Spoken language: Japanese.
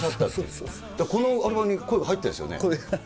このアルバムに声が入ってるんですよね。